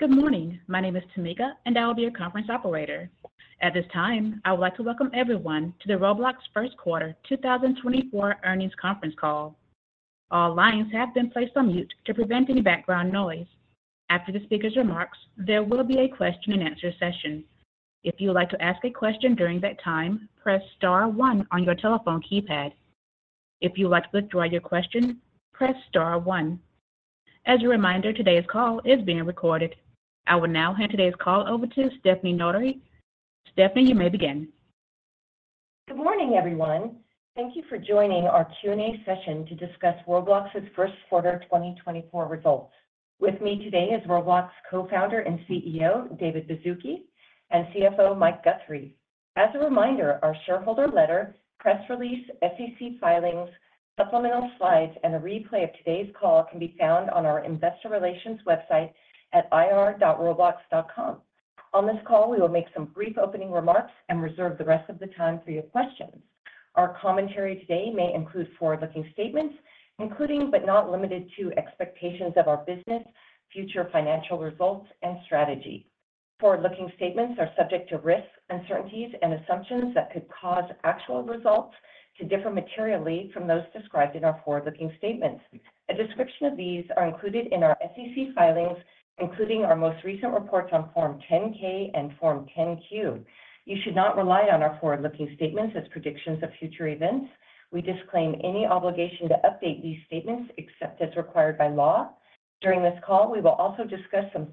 Good morning. My name is Tameka, and I will be your conference operator. At this time, I would like to welcome everyone to the Roblox First Quarter 2024 Earnings Conference Call. All lines have been placed on mute to prevent any background noise. After the speaker's remarks, there will be a question-and-answer session. If you would like to ask a question during that time, press star one on your telephone keypad. If you would like to withdraw your question, press star one. As a reminder, today's call is being recorded. I will now hand today's call over to Stefanie Notaney. Stefanie, you may begin. Good morning, everyone. Thank you for joining our Q&A session to discuss Roblox's First Quarter 2024 results. With me today is Roblox co-founder and CEO David Baszucki and CFO Mike Guthrie. As a reminder, our shareholder letter, press release, SEC filings, supplemental slides, and a replay of today's call can be found on our investor relations website at ir.roblox.com. On this call, we will make some brief opening remarks and reserve the rest of the time for your questions. Our commentary today may include forward-looking statements, including but not limited to expectations of our business, future financial results, and strategy. Forward-looking statements are subject to risk, uncertainties, and assumptions that could cause actual results to differ materially from those described in our forward-looking statements. A description of these are included in our SEC filings, including our most recent reports on Form 10-K and Form 10-Q. You should not rely on our forward-looking statements as predictions of future events. We disclaim any obligation to update these statements except as required by law. During this call, we will also discuss some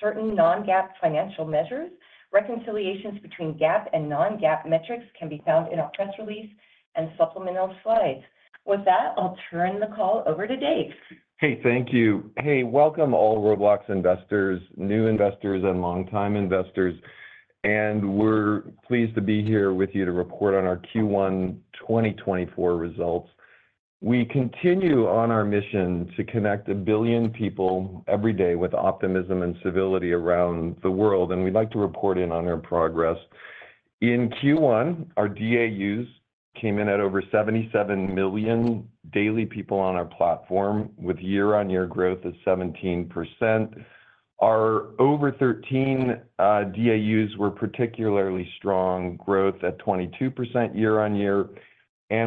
certain non-GAAP financial measures. Reconciliations between GAAP and non-GAAP metrics can be found in our press release and supplemental slides. With that, I'll turn the call over to Dave. Hey, thank you. Hey, welcome all Roblox investors, new investors, and long-time investors. We're pleased to be here with you to report on our Q1 2024 results. We continue on our mission to connect a billion people every day with optimism and civility around the world, and we'd like to report in on our progress. In Q1, our DAUs came in at over 77 million daily people on our platform, with year-on-year growth of 17%. Our over-13 DAUs were particularly strong, growth at 22% year-on-year.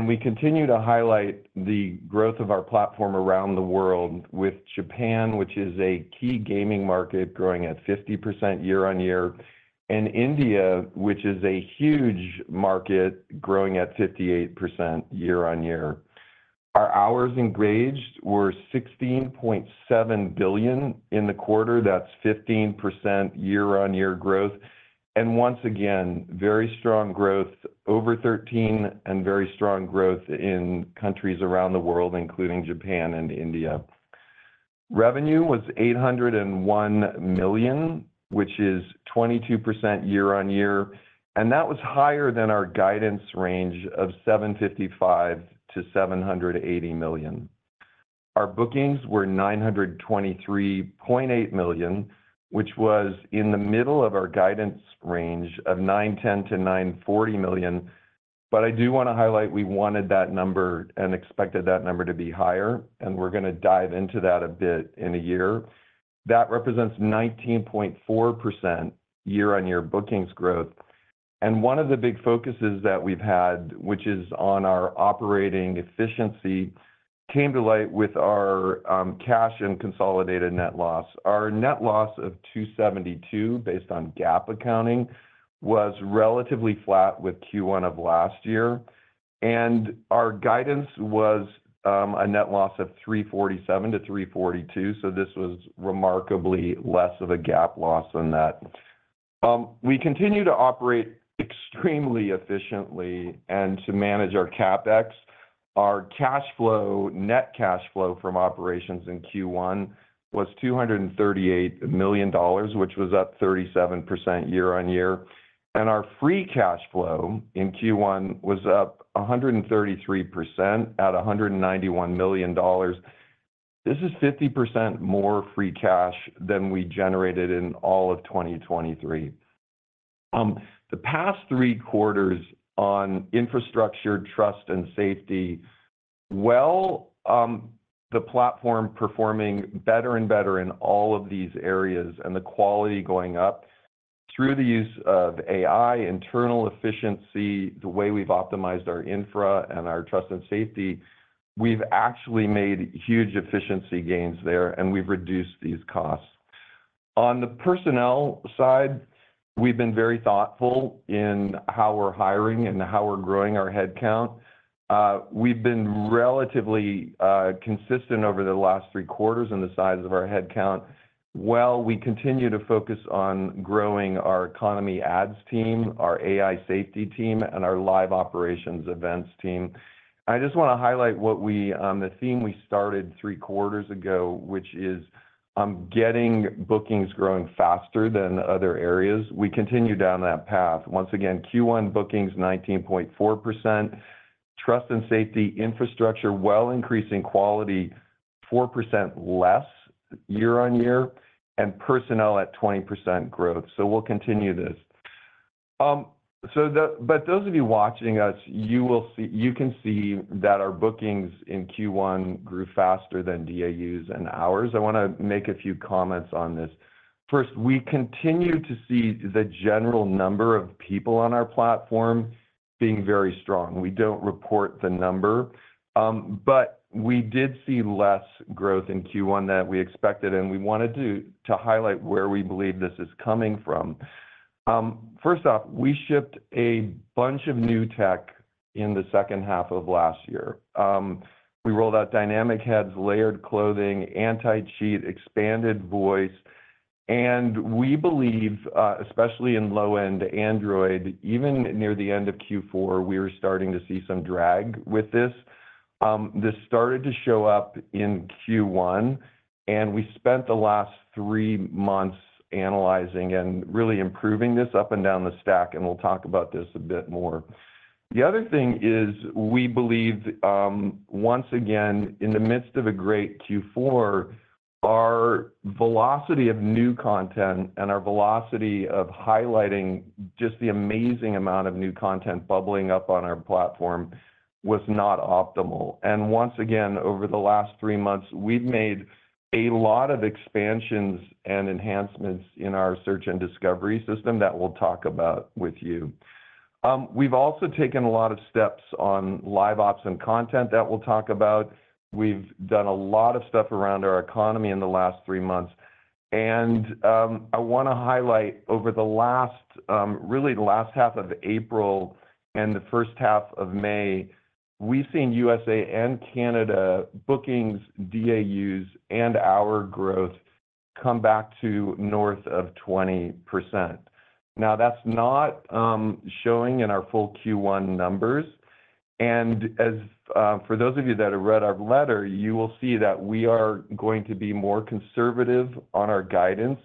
We continue to highlight the growth of our platform around the world, with Japan, which is a key gaming market growing at 50% year-on-year, and India, which is a huge market growing at 58% year-on-year. Our hours engaged were 16.7 billion in the quarter. That's 15% year-on-year growth. And once again, very strong growth, over 13, and very strong growth in countries around the world, including Japan and India. Revenue was $801 million, which is 22% year-over-year. And that was higher than our guidance range of $755 million-$780 million. Our bookings were $923.8 million, which was in the middle of our guidance range of $910 million-$940 million. But I do want to highlight we wanted that number and expected that number to be higher, and we're going to dive into that a bit in a year. That represents 19.4% year-over-year bookings growth. And one of the big focuses that we've had, which is on our operating efficiency, came to light with our cash and consolidated net loss. Our net loss of $272 million, based on GAAP accounting, was relatively flat with Q1 of last year. Our guidance was a net loss of $347 million-$342 million, so this was remarkably less of a GAAP loss than that. We continue to operate extremely efficiently and to manage our CapEx. Our cash flow, net cash flow from operations in Q1, was $238 million, which was up 37% year-over-year. Our free cash flow in Q1 was up 133% at $191 million. This is 50% more free cash than we generated in all of 2023. The past three quarters on infrastructure, trust, and safety, while the platform performing better and better in all of these areas and the quality going up through the use of AI, internal efficiency, the way we've optimized our infra and our trust and safety, we've actually made huge efficiency gains there, and we've reduced these costs. On the personnel side, we've been very thoughtful in how we're hiring and how we're growing our headcount. We've been relatively consistent over the last three quarters in the size of our headcount. While we continue to focus on growing our economy ads team, our AI safety team, and our live operations events team, I just want to highlight the theme we started three quarters ago, which is getting bookings growing faster than other areas. We continue down that path. Once again, Q1 bookings, 19.4%. Trust and safety, infrastructure, while increasing quality, 4% less year-over-year, and personnel at 20% growth. So we'll continue this. But those of you watching us, you can see that our bookings in Q1 grew faster than DAUs and hours. I want to make a few comments on this. First, we continue to see the general number of people on our platform being very strong. We don't report the number. But we did see less growth in Q1 than we expected, and we wanted to highlight where we believe this is coming from. First off, we shipped a bunch of new tech in the second half of last year. We rolled out Dynamic Heads, Layered Clothing, Anti-Cheat, Expanded Voice. And we believe, especially in low-end Android, even near the end of Q4, we were starting to see some drag with this. This started to show up in Q1, and we spent the last three months analyzing and really improving this up and down the stack, and we'll talk about this a bit more. The other thing is we believe, once again, in the midst of a great Q4, our velocity of new content and our velocity of highlighting just the amazing amount of new content bubbling up on our platform was not optimal. Once again, over the last three months, we've made a lot of expansions and enhancements in our search and discovery system that we'll talk about with you. We've also taken a lot of steps on live ops and content that we'll talk about. We've done a lot of stuff around our economy in the last three months. I want to highlight, over the last really last half of April and the first half of May, we've seen U.S.A. and Canada bookings, DAUs, and our growth come back to north of 20%. Now, that's not showing in our full Q1 numbers. For those of you that have read our letter, you will see that we are going to be more conservative on our guidance,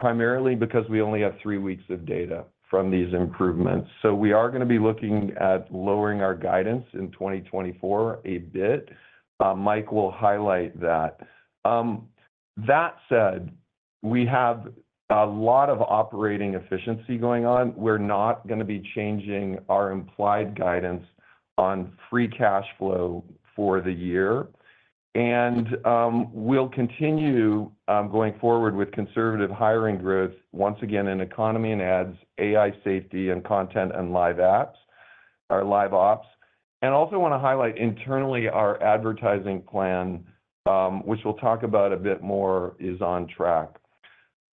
primarily because we only have three weeks of data from these improvements. So we are going to be looking at lowering our guidance in 2024 a bit. Mike will highlight that. That said, we have a lot of operating efficiency going on. We're not going to be changing our implied guidance on free cash flow for the year. And we'll continue going forward with conservative hiring growth, once again, in economy and ads, AI safety, and content and live apps, our live ops. And also want to highlight internally, our advertising plan, which we'll talk about a bit more, is on track.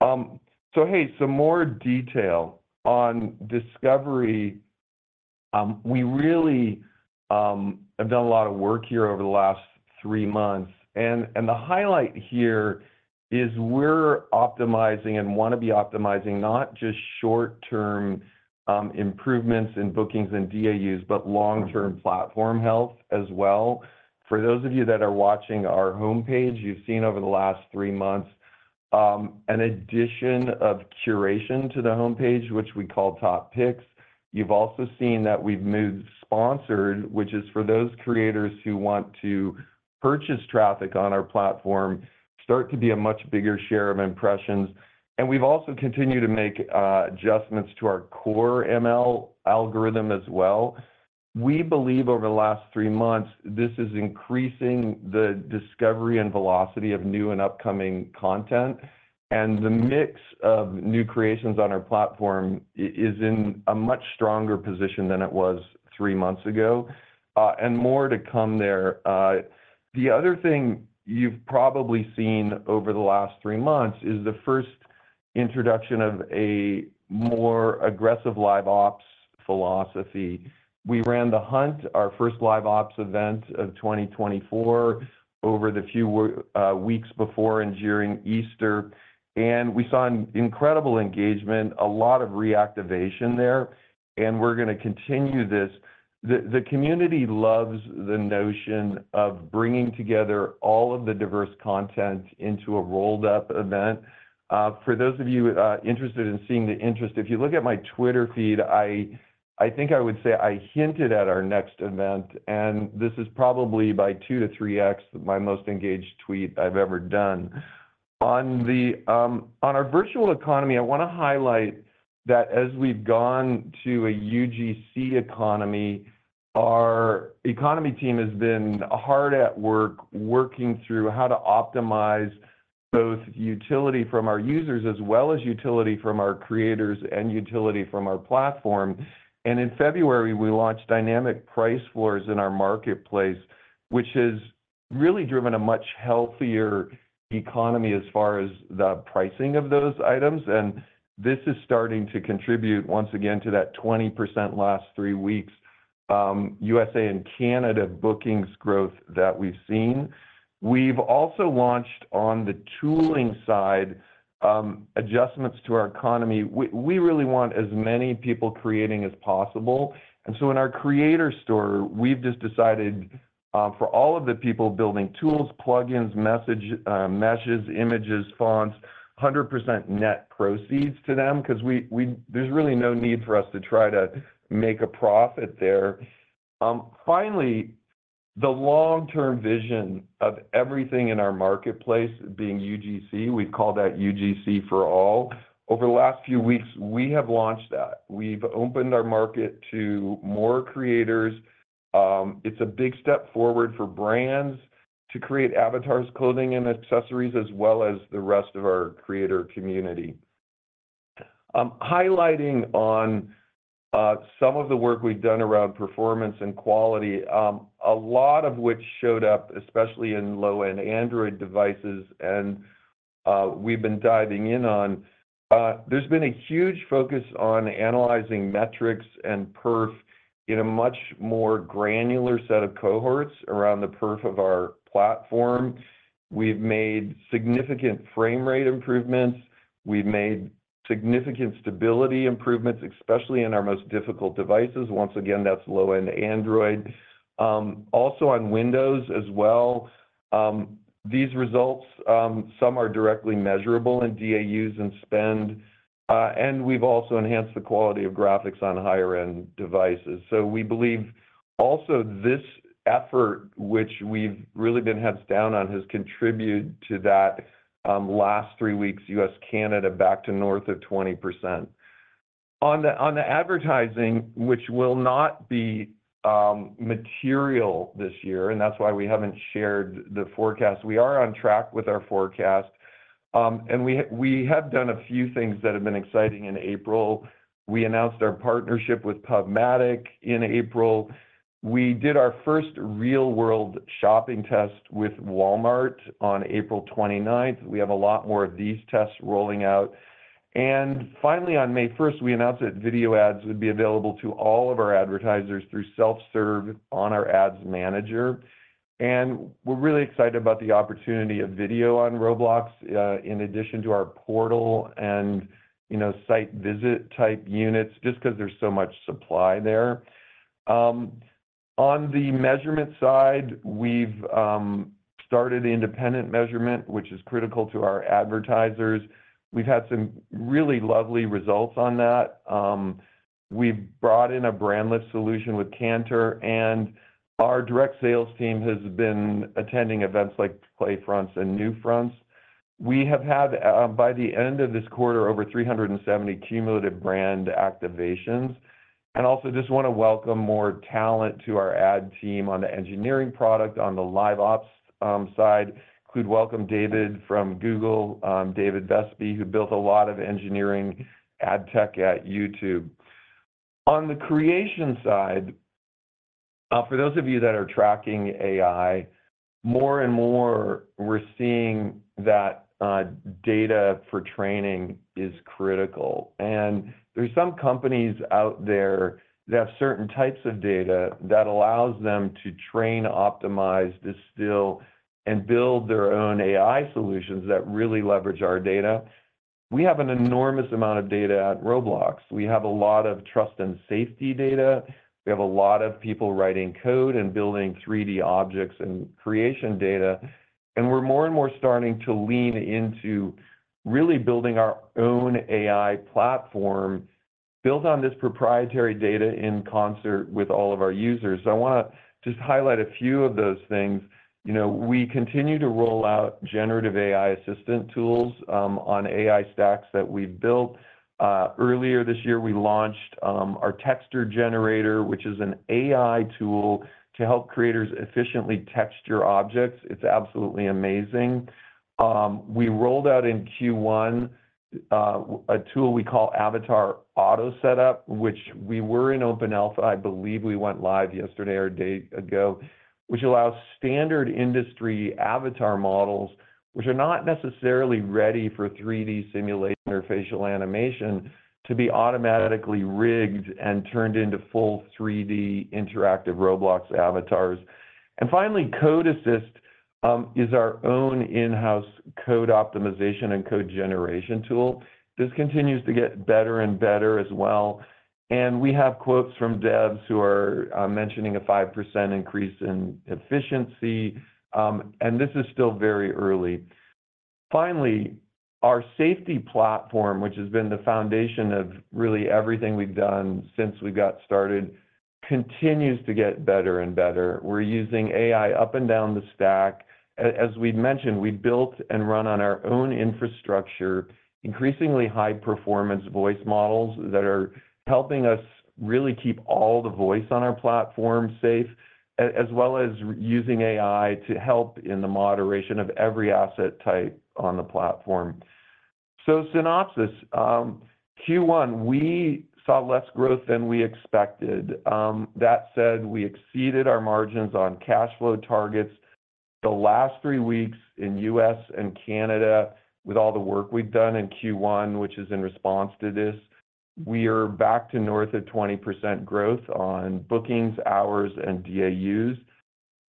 So hey, some more detail on discovery. We really have done a lot of work here over the last three months. And the highlight here is we're optimizing and want to be optimizing not just short-term improvements in bookings and DAUs, but long-term platform health as well. For those of you that are watching our homepage, you've seen over the last three months an addition of curation to the homepage, which we call Top Picks. You've also seen that we've moved sponsored, which is for those creators who want to purchase traffic on our platform, start to be a much bigger share of impressions. And we've also continued to make adjustments to our core ML algorithm as well. We believe, over the last three months, this is increasing the discovery and velocity of new and upcoming content. And the mix of new creations on our platform is in a much stronger position than it was three months ago, and more to come there. The other thing you've probably seen over the last three months is the first introduction of a more aggressive live ops philosophy. We ran The Hunt, our first live ops event of 2024, over the few weeks before and during Easter. And we saw incredible engagement, a lot of reactivation there. And we're going to continue this. The community loves the notion of bringing together all of the diverse content into a rolled-up event. For those of you interested in seeing the interest, if you look at my Twitter feed, I think I would say I hinted at our next event, and this is probably by 2x-3x my most engaged tweet I've ever done. On our virtual economy, I want to highlight that as we've gone to a UGC economy, our economy team has been hard at work working through how to optimize both utility from our users as well as utility from our creators and utility from our platform. In February, we launched Dynamic Price Floors in our marketplace, which has really driven a much healthier economy as far as the pricing of those items. This is starting to contribute, once again, to that 20% last three weeks, U.S.A. and Canada bookings growth that we've seen. We've also launched, on the tooling side, adjustments to our economy. We really want as many people creating as possible. So in our Creator Store, we've just decided, for all of the people building tools, plugins, messages, images, fonts, 100% net proceeds to them because there's really no need for us to try to make a profit there. Finally, the long-term vision of everything in our marketplace being UGC, we've called that UGC for All. Over the last few weeks, we have launched that. We've opened our market to more creators. It's a big step forward for brands to create avatars, clothing, and accessories as well as the rest of our creator community. Highlighting on some of the work we've done around performance and quality, a lot of which showed up, especially in low-end Android devices, and we've been diving in on, there's been a huge focus on analyzing metrics and perf in a much more granular set of cohorts around the perf of our platform. We've made significant frame rate improvements. We've made significant stability improvements, especially in our most difficult devices. Once again, that's low-end Android. Also on Windows as well, these results, some are directly measurable in DAUs and spend. We've also enhanced the quality of graphics on higher-end devices. We believe also this effort, which we've really been heads down on, has contributed to that last three weeks, U.S.-Canada back to north of 20%. On the advertising, which will not be material this year, and that's why we haven't shared the forecast, we are on track with our forecast. We have done a few things that have been exciting in April. We announced our partnership with PubMatic in April. We did our first real-world shopping test with Walmart on April 29th. We have a lot more of these tests rolling out. Finally, on May 1st, we announced that video ads would be available to all of our advertisers through self-serve on our Ads Manager. We're really excited about the opportunity of video on Roblox in addition to our portal and site visit-type units, just because there's so much supply there. On the measurement side, we've started independent measurement, which is critical to our advertisers. We've had some really lovely results on that. We've brought in a brand lift solution with Kantar, and our direct sales team has been attending events like PlayFronts and NewFronts. We have had, by the end of this quarter, over 370 cumulative brand activations. Also just want to welcome more talent to our ad team on the engineering product on the live ops side. Include welcome David from Google, David Vespe, who built a lot of engineering ad tech at YouTube. On the creation side, for those of you that are tracking AI, more and more we're seeing that data for training is critical. There's some companies out there that have certain types of data that allows them to train, optimize, distill, and build their own AI solutions that really leverage our data. We have an enormous amount of data at Roblox. We have a lot of trust and safety data. We have a lot of people writing code and building 3D objects and creation data. We're more and more starting to lean into really building our own AI platform built on this proprietary data in concert with all of our users. I want to just highlight a few of those things. We continue to roll out generative AI assistant tools on AI stacks that we've built. Earlier this year, we launched our Texture Generator, which is an AI tool to help creators efficiently texture objects. It's absolutely amazing. We rolled out in Q1 a tool we call Avatar Auto Setup, which we were in open alpha. I believe we went live yesterday or a day ago, which allows standard industry avatar models, which are not necessarily ready for 3D simulation or facial animation, to be automatically rigged and turned into full 3D interactive Roblox avatars. Finally, Code Assist is our own in-house code optimization and code generation tool. This continues to get better and better as well. We have quotes from devs who are mentioning a 5% increase in efficiency. This is still very early. Finally, our safety platform, which has been the foundation of really everything we've done since we got started, continues to get better and better. We're using AI up and down the stack. As we mentioned, we built and run on our own infrastructure, increasingly high-performance voice models that are helping us really keep all the voice on our platform safe, as well as using AI to help in the moderation of every asset type on the platform. Synopsis, Q1, we saw less growth than we expected. That said, we exceeded our margins on cash flow targets. The last three weeks in U.S. and Canada, with all the work we've done in Q1, which is in response to this, we are back to north of 20% growth on bookings, hours, and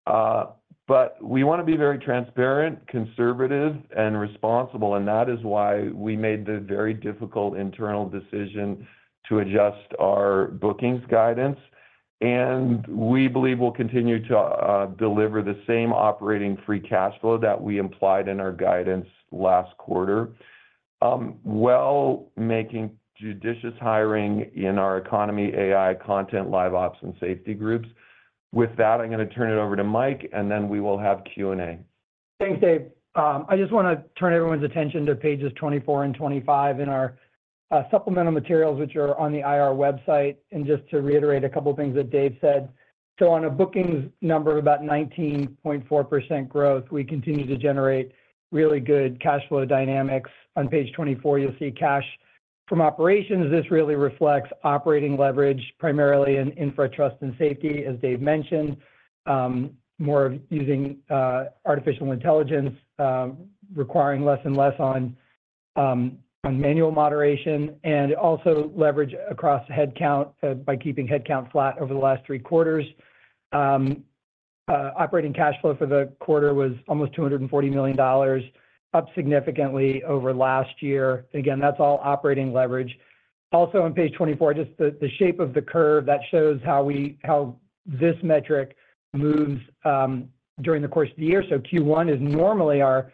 DAUs. But we want to be very transparent, conservative, and responsible, and that is why we made the very difficult internal decision to adjust our bookings guidance. We believe we'll continue to deliver the same operating free cash flow that we implied in our guidance last quarter, while making judicious hiring in our economy, AI, content, live ops, and safety groups. With that, I'm going to turn it over to Mike, and then we will have Q&A. Thanks, Dave. I just want to turn everyone's attention to pages 24 and 25 in our supplemental materials, which are on the IR website. And just to reiterate a couple of things that Dave said. So on a bookings number of about 19.4% growth, we continue to generate really good cash flow dynamics. On page 24, you'll see cash from operations. This really reflects operating leverage, primarily in infra trust and safety, as Dave mentioned, more of using artificial intelligence, requiring less and less on manual moderation, and also leverage across headcount by keeping headcount flat over the last three quarters. Operating cash flow for the quarter was almost $240 million, up significantly over last year. And again, that's all operating leverage. Also on page 24, just the shape of the curve, that shows how this metric moves during the course of the year. So Q1 is normally our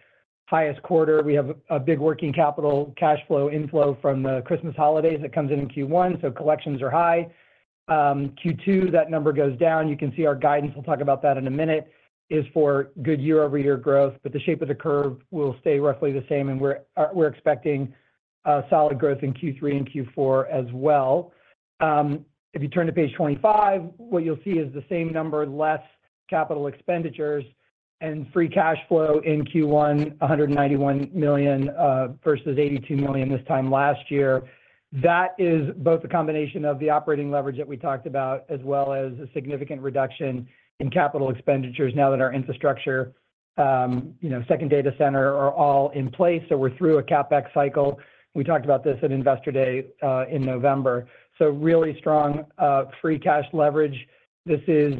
highest quarter. We have a big working capital cash flow inflow from the Christmas holidays that comes in in Q1, so collections are high. Q2, that number goes down. You can see our guidance, we'll talk about that in a minute, is for good year-over-year growth. But the shape of the curve will stay roughly the same, and we're expecting solid growth in Q3 and Q4 as well. If you turn to page 25, what you'll see is the same number, less capital expenditures, and free cash flow in Q1, $191 million versus $82 million this time last year. That is both a combination of the operating leverage that we talked about as well as a significant reduction in capital expenditures now that our infrastructure, second data center, are all in place. So we're through a CapEx cycle. We talked about this at Investor Day in November. So really strong free cash leverage. This is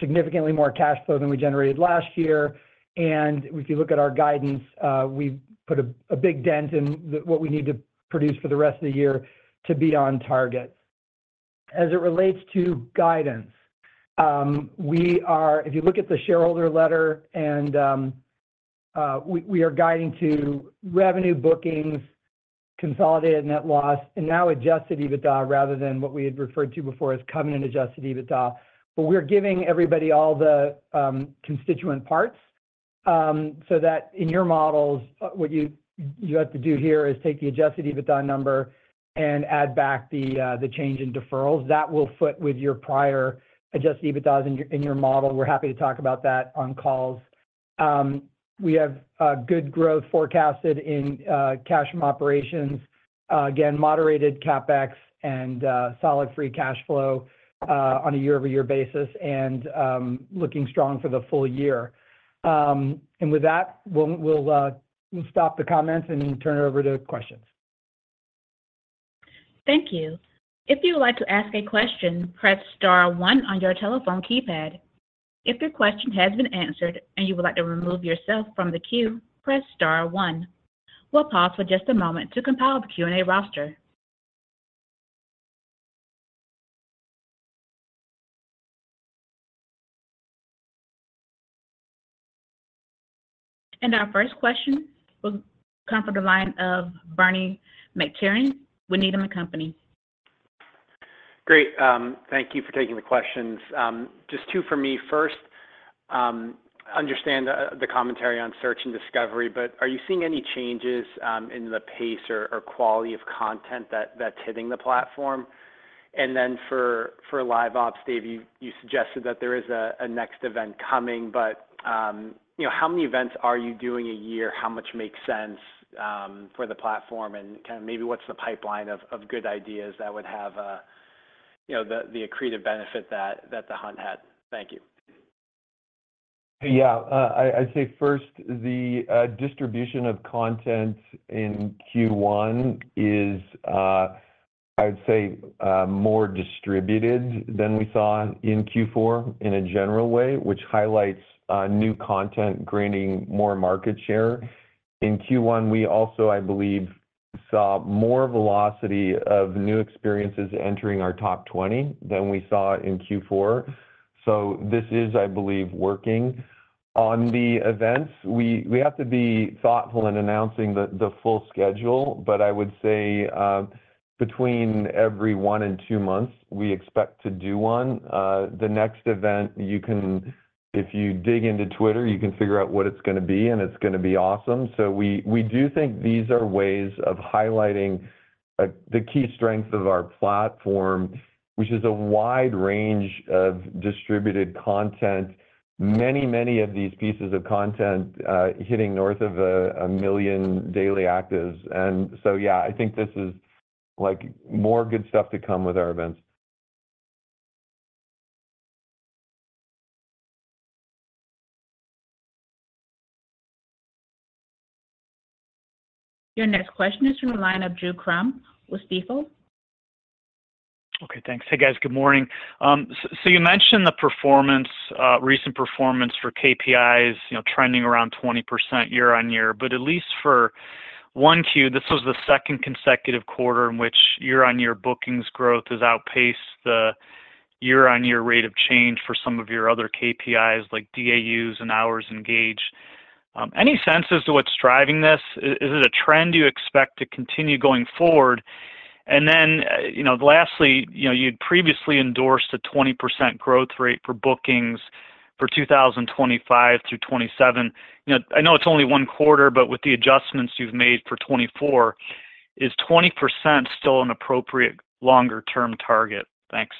significantly more cash flow than we generated last year. And if you look at our guidance, we've put a big dent in what we need to produce for the rest of the year to be on target. As it relates to guidance, if you look at the shareholder letter, we are guiding to revenue, bookings, consolidated net loss, and now adjusted EBITDA rather than what we had referred to before as covenant adjusted EBITDA. But we're giving everybody all the constituent parts so that in your models, what you have to do here is take the adjusted EBITDA number and add back the change in deferrals. That will fit with your prior adjusted EBITDAs in your model. We're happy to talk about that on calls. We have good growth forecasted in cash from operations. Again, moderated CapEx and solid free cash flow on a year-over-year basis and looking strong for the full year. With that, we'll stop the comments and turn it over to questions. Thank you. If you would like to ask a question, press star one on your telephone keypad. If your question has been answered and you would like to remove yourself from the queue, press star one. We'll pause for just a moment to compile the Q&A roster. And our first question will come from the line of Bernie McTernan with Needham & Company. Great. Thank you for taking the questions. Just two for me first. I understand the commentary on search and discovery, but are you seeing any changes in the pace or quality of content that's hitting the platform? And then for live ops, Dave, you suggested that there is a next event coming, but how many events are you doing a year? How much makes sense for the platform? And kind of maybe what's the pipeline of good ideas that would have the accretive benefit that The Hunt had? Thank you. Yeah. I'd say first, the distribution of content in Q1 is, I would say, more distributed than we saw in Q4 in a general way, which highlights new content granting more market share. In Q1, we also, I believe, saw more velocity of new experiences entering our top 20 than we saw in Q4. So this is, I believe, working. On the events, we have to be thoughtful in announcing the full schedule, but I would say between every one and two months, we expect to do one. The next event, if you dig into Twitter, you can figure out what it's going to be, and it's going to be awesome. So we do think these are ways of highlighting the key strength of our platform, which is a wide range of distributed content, many, many of these pieces of content hitting north of a million daily actives. Yeah, I think this is more good stuff to come with our events. Your next question is from the line of Drew Crum with Stifel. Okay. Thanks. Hey, guys. Good morning. So you mentioned the recent performance for KPIs trending around 20% year-on-year. But at least for 1Q, this was the second consecutive quarter in which year-on-year bookings growth has outpaced the year-on-year rate of change for some of your other KPIs like DAUs and hours engaged. Any sense as to what's driving this? Is it a trend you expect to continue going forward? And then lastly, you'd previously endorsed a 20% growth rate for bookings for 2025 through 2027. I know it's only one quarter, but with the adjustments you've made for 2024, is 20% still an appropriate longer-term target? Thanks.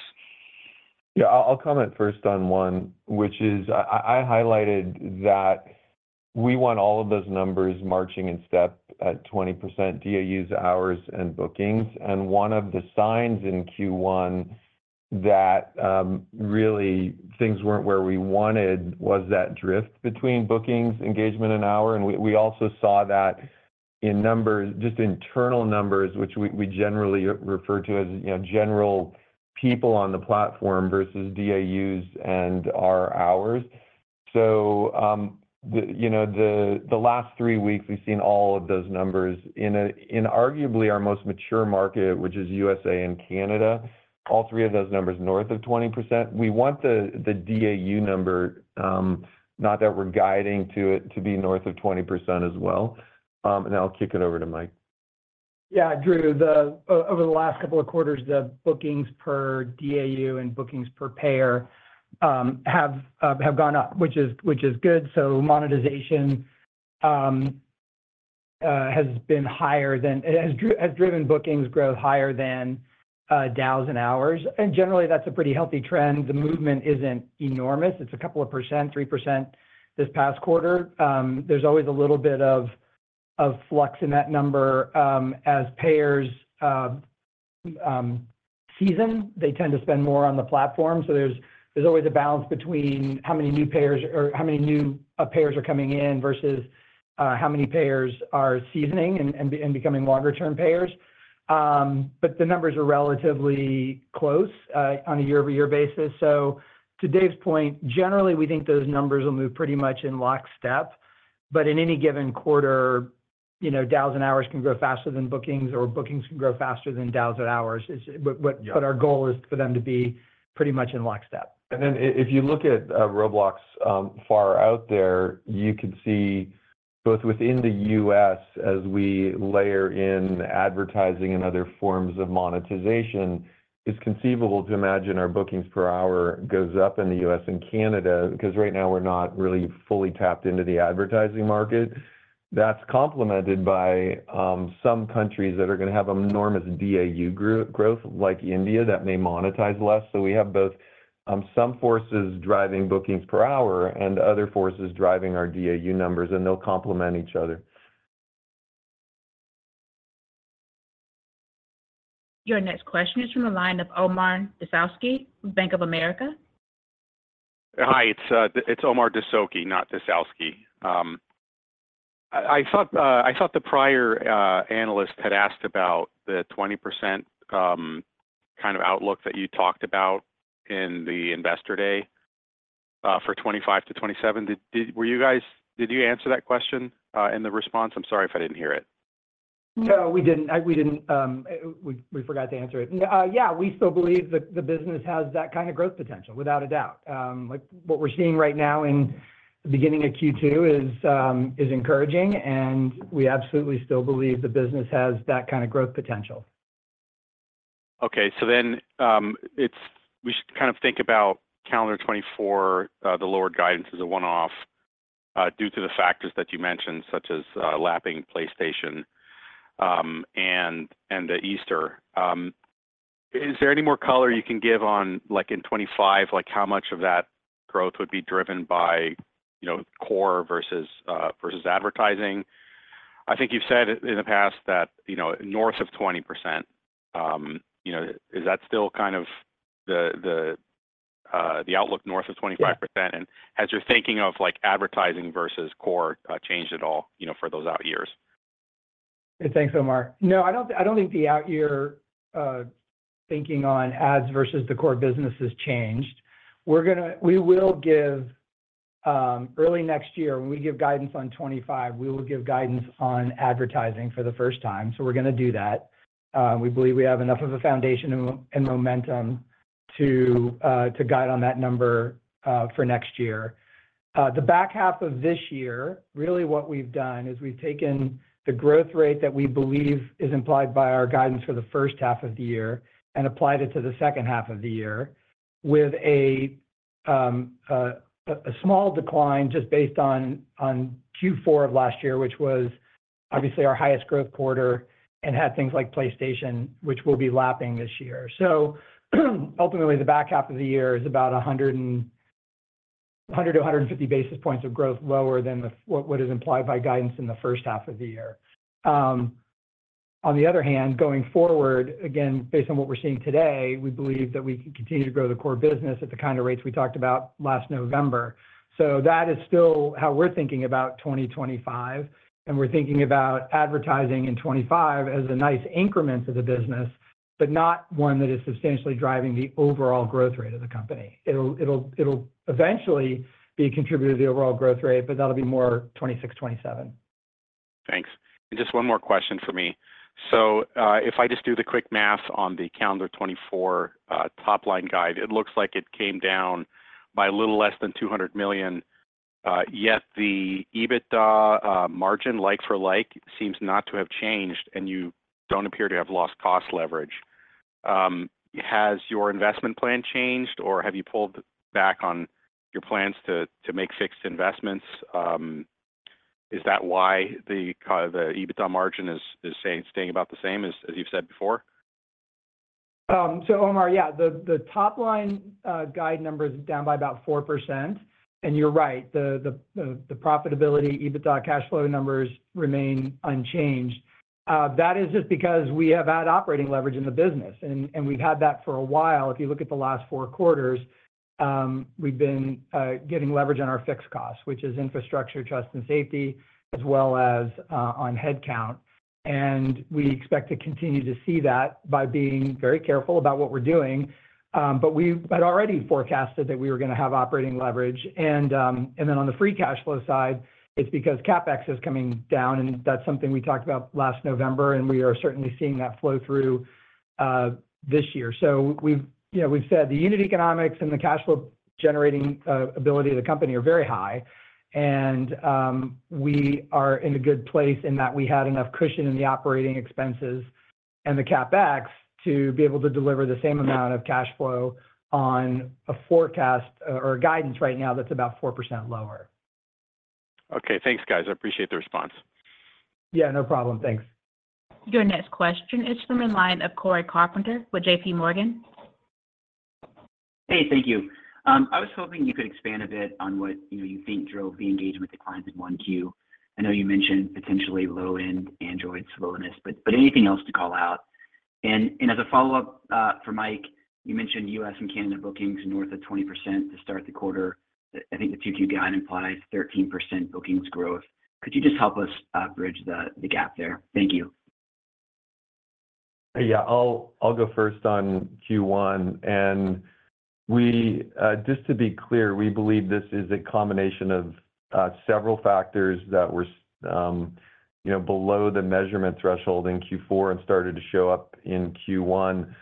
Yeah. I'll comment first on one, which is I highlighted that we want all of those numbers marching in step at 20% DAUs, hours, and bookings. And one of the signs in Q1 that really things weren't where we wanted was that drift between bookings, engagement, and hour. And we also saw that in numbers, just internal numbers, which we generally refer to as general people on the platform versus DAUs and our hours. So the last three weeks, we've seen all of those numbers. In arguably our most mature market, which is U.S.A. and Canada, all three of those numbers north of 20%. We want the DAU number, not that we're guiding to it, to be north of 20% as well. And I'll kick it over to Mike. Yeah, Drew. Over the last couple of quarters, the bookings per DAU and bookings per payer have gone up, which is good. So monetization has been higher than has driven bookings growth higher than DAUs and hours. And generally, that's a pretty healthy trend. The movement isn't enormous. It's a couple of percent, 3% this past quarter. There's always a little bit of flux in that number. As payers season, they tend to spend more on the platform. So there's always a balance between how many new payers or how many new payers are coming in versus how many payers are seasoning and becoming longer-term payers. But the numbers are relatively close on a year-over-year basis. So to Dave's point, generally, we think those numbers will move pretty much in lockstep. But in any given quarter, DAUs and hours can grow faster than bookings, or bookings can grow faster than DAUs and hours. But our goal is for them to be pretty much in lockstep. And then if you look at Roblox far out there, you can see both within the U.S., as we layer in advertising and other forms of monetization, it's conceivable to imagine our bookings per hour goes up in the U.S. and Canada because right now, we're not really fully tapped into the advertising market. That's complemented by some countries that are going to have enormous DAU growth like India that may monetize less. So we have both some forces driving bookings per hour and other forces driving our DAU numbers, and they'll complement each other. Your next question is from the line of Omar Dessouky with Bank of America. Hi. It's Omar Dessouky, not Dasowski. I thought the prior analyst had asked about the 20% kind of outlook that you talked about in the Investor Day for 2025 to 2027. Did you answer that question in the response? I'm sorry if I didn't hear it. No, we didn't. We forgot to answer it. Yeah, we still believe the business has that kind of growth potential, without a doubt. What we're seeing right now in the beginning of Q2 is encouraging, and we absolutely still believe the business has that kind of growth potential. Okay. So then we should kind of think about calendar 2024, the lowered guidance as a one-off due to the factors that you mentioned, such as lapping PlayStation and the Easter. Is there any more color you can give on in 2025, how much of that growth would be driven by core versus advertising? I think you've said in the past that north of 20%. Is that still kind of the outlook north of 25%? And has your thinking of advertising versus core changed at all for those out years? Thanks, Omar. No, I don't think the out-year thinking on ads versus the core business has changed. We will give early next year, when we give guidance on 2025, we will give guidance on advertising for the first time. So we're going to do that. We believe we have enough of a foundation and momentum to guide on that number for next year. The back half of this year, really what we've done is we've taken the growth rate that we believe is implied by our guidance for the first half of the year and applied it to the second half of the year with a small decline just based on Q4 of last year, which was obviously our highest growth quarter and had things like PlayStation, which will be lapping this year. Ultimately, the back half of the year is about 100-150 basis points of growth lower than what is implied by guidance in the first half of the year. On the other hand, going forward, again, based on what we're seeing today, we believe that we can continue to grow the core business at the kind of rates we talked about last November. That is still how we're thinking about 2025. We're thinking about advertising in 2025 as a nice increment to the business, but not one that is substantially driving the overall growth rate of the company. It'll eventually be a contributor to the overall growth rate, but that'll be more 2026, 2027. Thanks. And just one more question for me. So if I just do the quick math on the calendar 2024 top-line guide, it looks like it came down by a little less than $200 million. Yet the EBITDA margin, like for like, seems not to have changed, and you don't appear to have lost cost leverage. Has your investment plan changed, or have you pulled back on your plans to make fixed investments? Is that why the EBITDA margin is staying about the same, as you've said before? So, Omar, yeah, the top-line guide number is down by about 4%. And you're right. The profitability, EBITDA, cash flow numbers remain unchanged. That is just because we have had operating leverage in the business, and we've had that for a while. If you look at the last four quarters, we've been getting leverage on our fixed costs, which is infrastructure, trust, and safety, as well as on headcount. And we expect to continue to see that by being very careful about what we're doing. But we had already forecasted that we were going to have operating leverage. And then on the free cash flow side, it's because CapEx is coming down, and that's something we talked about last November, and we are certainly seeing that flow through this year. So we've said the unit economics and the cash flow generating ability of the company are very high. We are in a good place in that we had enough cushion in the operating expenses and the CapEx to be able to deliver the same amount of cash flow on a forecast or a guidance right now that's about 4% lower. Okay. Thanks, guys. I appreciate the response. Yeah, no problem. Thanks. Your next question is from the line of Cory Carpenter with JPMorgan. Hey, thank you. I was hoping you could expand a bit on what you think drove the engagement declines in Q1. I know you mentioned potentially low-end Android slowness, but anything else to call out? And as a follow-up for Mike, you mentioned U.S. and Canada bookings north of 20% to start the quarter. I think the Q2 guide implies 13% bookings growth. Could you just help us bridge the gap there? Thank you. Yeah. I'll go first on Q1. Just to be clear, we believe this is a combination of several factors that were below the measurement threshold in Q4 and started to show up in Q1.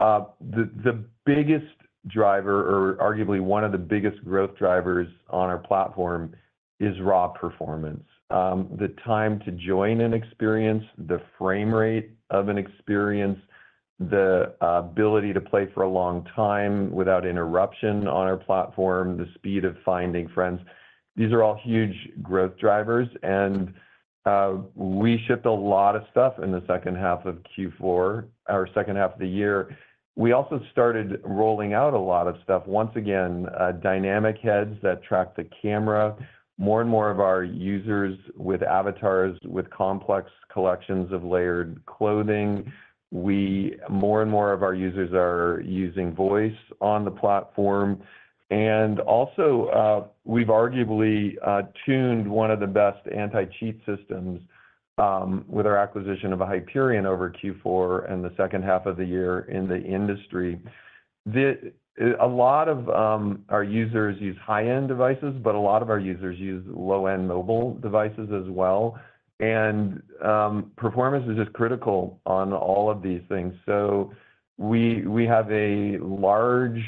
The biggest driver, or arguably one of the biggest growth drivers on our platform, is raw performance. The time to join an experience, the frame rate of an experience, the ability to play for a long time without interruption on our platform, the speed of finding friends, these are all huge growth drivers. We shipped a lot of stuff in the second half of Q4 or second half of the year. We also started rolling out a lot of stuff. Once again, Dynamic Heads that track the camera, more and more of our users with avatars with complex collections of Layered Clothing. More and more of our users are using voice on the platform. And also, we've arguably tuned one of the best anti-cheat systems with our acquisition of Hyperion over Q4 and the second half of the year in the industry. A lot of our users use high-end devices, but a lot of our users use low-end mobile devices as well. And performance is just critical on all of these things. So we have a large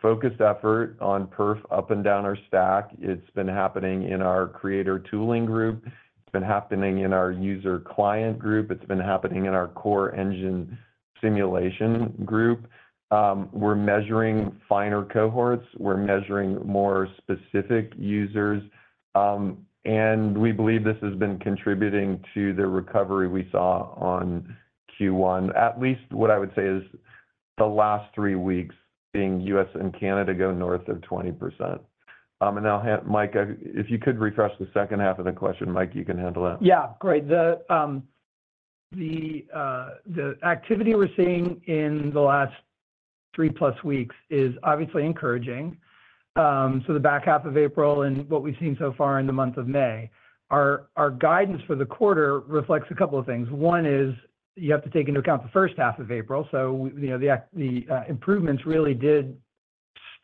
focused effort on perf up and down our stack. It's been happening in our creator tooling group. It's been happening in our user client group. It's been happening in our core engine simulation group. We're measuring finer cohorts. We're measuring more specific users. And we believe this has been contributing to the recovery we saw on Q1. At least what I would say is the last three weeks seeing U.S. and Canada go north of 20%. And now, Mike, if you could refresh the second half of the question. Mike, you can handle that. Yeah, great. The activity we're seeing in the last three plus weeks is obviously encouraging. So the back half of April and what we've seen so far in the month of May, our guidance for the quarter reflects a couple of things. One is you have to take into account the first half of April. So the improvements really did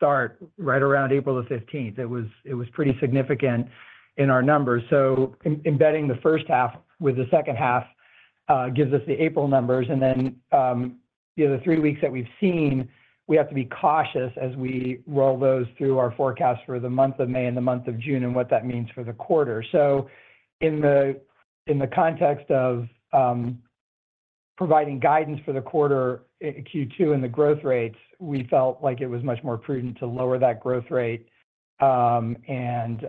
start right around April 15th. It was pretty significant in our numbers. So embedding the first half with the second half gives us the April numbers. And then the three weeks that we've seen, we have to be cautious as we roll those through our forecast for the month of May and the month of June and what that means for the quarter. So in the context of providing guidance for the quarter Q2 and the growth rates, we felt like it was much more prudent to lower that growth rate and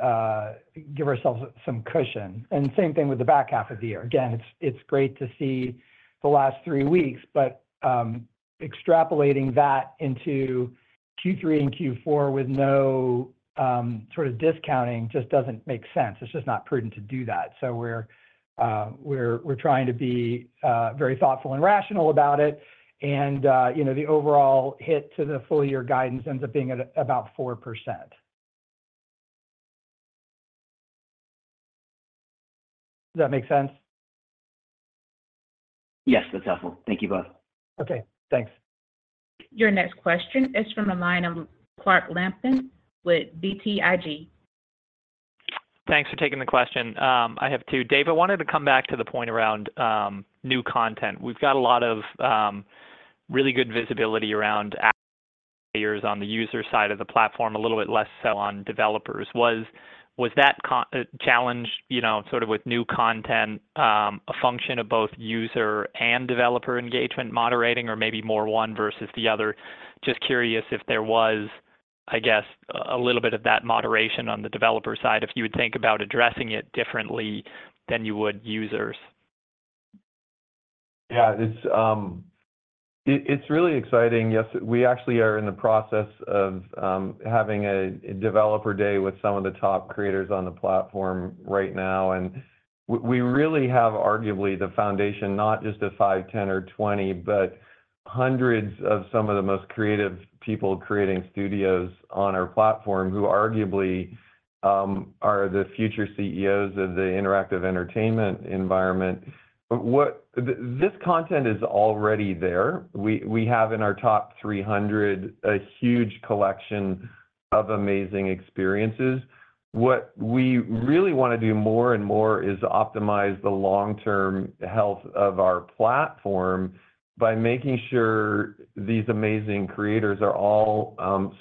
give ourselves some cushion. And same thing with the back half of the year. Again, it's great to see the last three weeks, but extrapolating that into Q3 and Q4 with no sort of discounting just doesn't make sense. It's just not prudent to do that. So we're trying to be very thoughtful and rational about it. And the overall hit to the full-year guidance ends up being at about 4%. Does that make sense? Yes, that's helpful. Thank you both. Okay. Thanks. Your next question is from the line of Clark Lampen with BTIG. Thanks for taking the question. I have two. Dave, I wanted to come back to the point around new content. We've got a lot of really good visibility around players on the user side of the platform, a little bit less so on developers. Was that challenge sort of with new content a function of both user and developer engagement moderating, or maybe more one versus the other? Just curious if there was, I guess, a little bit of that moderation on the developer side, if you would think about addressing it differently than you would users. Yeah. It's really exciting. Yes, we actually are in the process of having a developer day with some of the top creators on the platform right now. And we really have, arguably, the foundation, not just of five, 10, or 20, but hundreds of some of the most creative people creating studios on our platform who arguably are the future CEOs of the interactive entertainment environment. This content is already there. We have in our top 300 a huge collection of amazing experiences. What we really want to do more and more is optimize the long-term health of our platform by making sure these amazing creators are all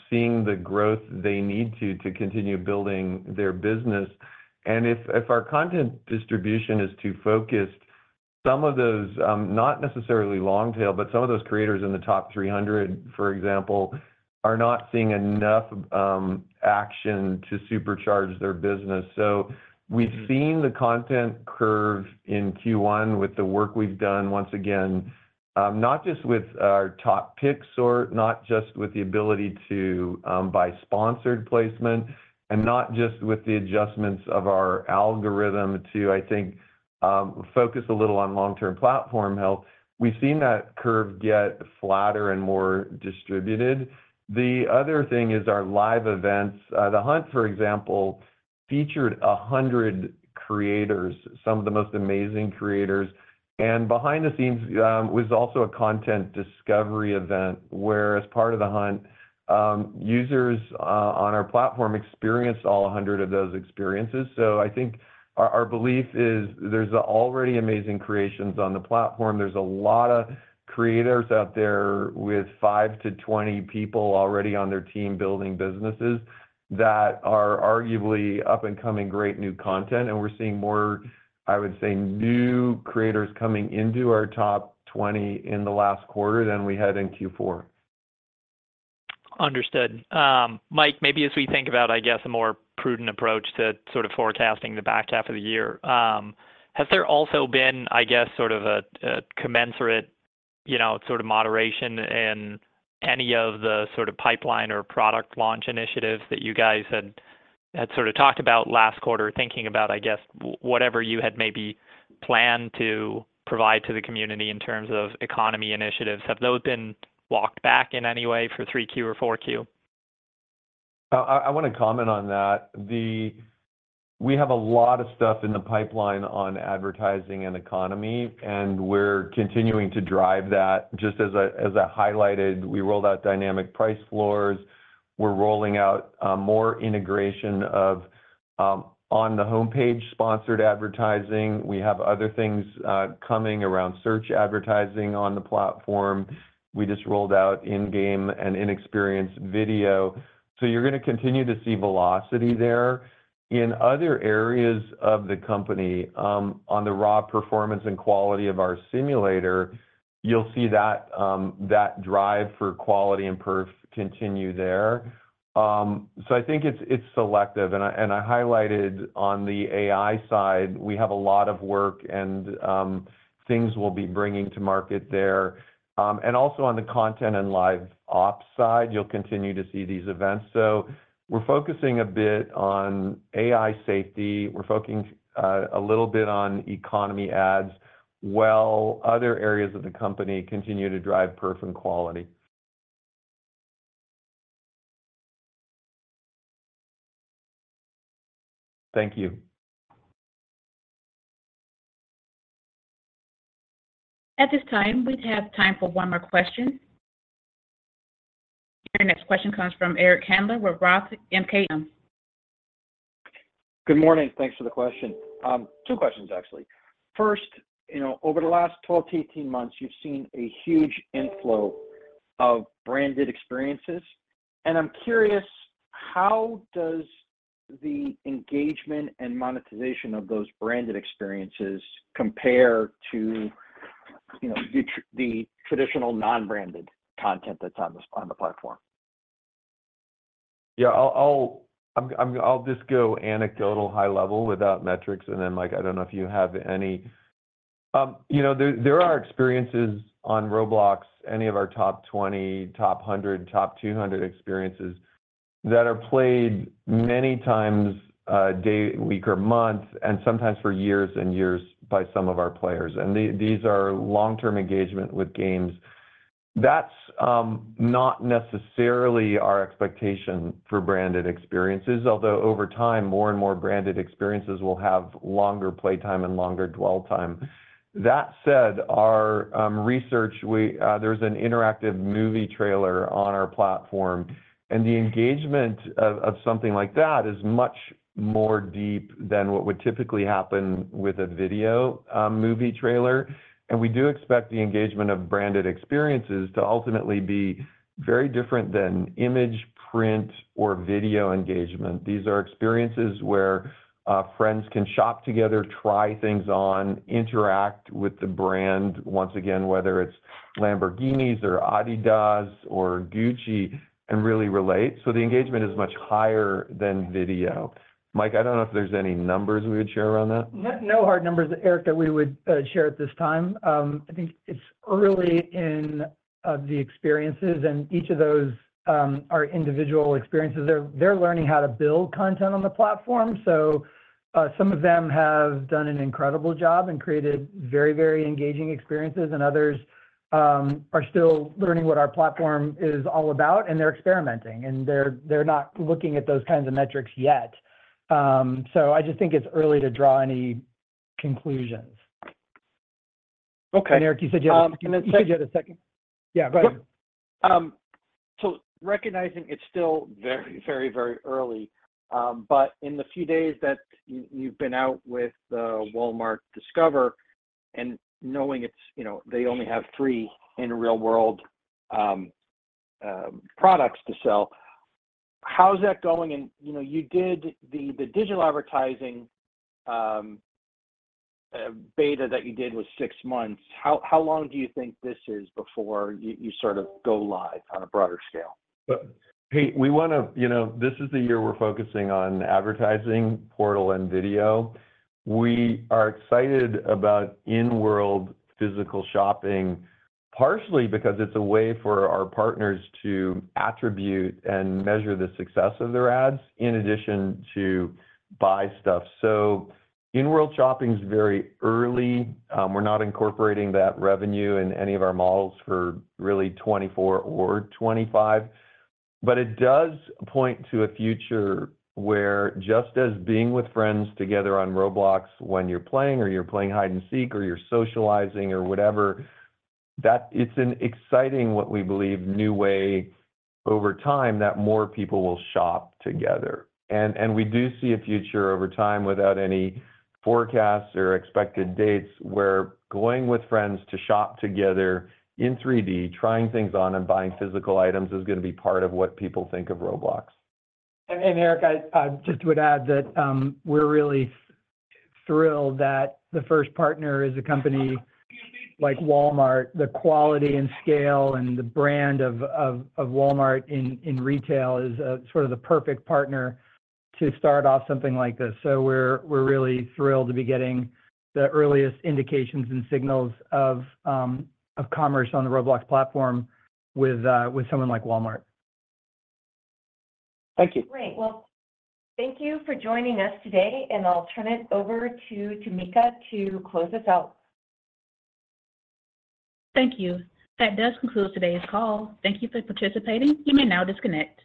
seeing the growth they need to continue building their business. And if our content distribution is too focused, some of those, not necessarily long-tail, but some of those creators in the top 300, for example, are not seeing enough action to supercharge their business. So we've seen the content curve in Q1 with the work we've done, once again, not just with our Top Picks, not just with the ability to buy sponsored placement, and not just with the adjustments of our algorithm to, I think, focus a little on long-term platform health. We've seen that curve get flatter and more distributed. The other thing is our live events. The Hunt, for example, featured 100 creators, some of the most amazing creators. And behind the scenes was also a content discovery event where, as part of The Hunt, users on our platform experienced all 100 of those experiences. So I think our belief is there's already amazing creations on the platform. There's a lot of creators out there with five to 20 people already on their team building businesses that are arguably up-and-coming great new content. We're seeing more, I would say, new creators coming into our top 20 in the last quarter than we had in Q4. Understood. Mike, maybe as we think about, I guess, a more prudent approach to sort of forecasting the back half of the year, has there also been, I guess, sort of a commensurate sort of moderation in any of the sort of pipeline or product launch initiatives that you guys had sort of talked about last quarter, thinking about, I guess, whatever you had maybe planned to provide to the community in terms of economy initiatives? Have those been walked back in any way for Q3 or Q4? I want to comment on that. We have a lot of stuff in the pipeline on advertising and economy, and we're continuing to drive that. Just as I highlighted, we rolled out Dynamic Price Floors. We're rolling out more integration of on-the-home page sponsored advertising. We have other things coming around search advertising on the platform. We just rolled out in-game and in-experience video. So you're going to continue to see velocity there. In other areas of the company, on the raw performance and quality of our simulator, you'll see that drive for quality and perf continue there. So I think it's selective. And I highlighted on the AI side, we have a lot of work, and things we'll be bringing to market there. And also on the content and live ops side, you'll continue to see these events. So we're focusing a bit on AI safety. We're focusing a little bit on economy ads while other areas of the company continue to drive perf and quality. Thank you. At this time, we'd have time for one more question. Your next question comes from Eric Handler with Roth MKM. Good morning. Thanks for the question. Two questions, actually. First, over the last 12-18 months, you've seen a huge inflow of branded experiences. And I'm curious, how does the engagement and monetization of those branded experiences compare to the traditional non-branded content that's on the platform? Yeah. I'll just go anecdotal, high-level, without metrics. And then, Mike, I don't know if you have any. There are experiences on Roblox, any of our top 20, top 100, top 200 experiences that are played many times a day, week, or month, and sometimes for years and years by some of our players. And these are long-term engagement with games. That's not necessarily our expectation for branded experiences, although over time, more and more branded experiences will have longer playtime and longer dwell time. That said, our research, there's an interactive movie trailer on our platform. And the engagement of something like that is much more deep than what would typically happen with a video movie trailer. And we do expect the engagement of branded experiences to ultimately be very different than image, print, or video engagement. These are experiences where friends can shop together, try things on, interact with the brand, once again, whether it's Lamborghinis or Adidas or Gucci, and really relate. So the engagement is much higher than video. Mike, I don't know if there's any numbers we would share around that. No hard numbers, Eric, that we would share at this time. I think it's early in the experiences, and each of those are individual experiences. They're learning how to build content on the platform. So some of them have done an incredible job and created very, very engaging experiences, and others are still learning what our platform is all about, and they're experimenting, and they're not looking at those kinds of metrics yet. So I just think it's early to draw any conclusions. And Eric, you said you had a second. Yeah, go ahead. So recognizing it's still very, very, very early, but in the few days that you've been out with the Walmart Discovered and knowing they only have three real-world products to sell, how's that going? And you did the digital advertising beta that you did was six months. How long do you think this is before you sort of go live on a broader scale? Hey, this is the year we're focusing on advertising, portal, and video. We are excited about in-world physical shopping, partially because it's a way for our partners to attribute and measure the success of their ads in addition to buy stuff. So in-world shopping's very early. We're not incorporating that revenue in any of our models for really 2024 or 2025. But it does point to a future where just as being with friends together on Roblox when you're playing or you're playing hide and seek or you're socializing or whatever, it's an exciting, what we believe, new way over time that more people will shop together. We do see a future over time without any forecasts or expected dates where going with friends to shop together in 3D, trying things on, and buying physical items is going to be part of what people think of Roblox. Eric, I just would add that we're really thrilled that the first partner is a company like Walmart. The quality and scale and the brand of Walmart in retail is sort of the perfect partner to start off something like this. So we're really thrilled to be getting the earliest indications and signals of commerce on the Roblox platform with someone like Walmart. Thank you. Great. Well, thank you for joining us today. I'll turn it over to Tameka to close us out. Thank you. That does conclude today's call. Thank you for participating. You may now disconnect.